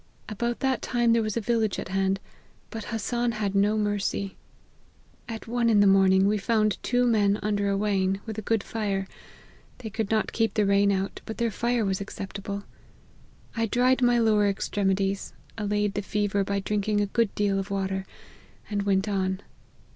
About that time there was a village at hand ; but Hassan had no mercy. At one in the morning we found two men under a wain, with a good fire ; they could not keep the rain out, but their fire was acceptable. I dried my lower extremities, allayed the fever by drinking a good deal of water, and went on.